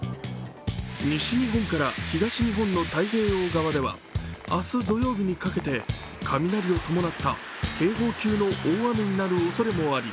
西日本から東日本の太平洋側では明日土曜日にかけて、雷を伴った警報級の大雨になるおそれもあり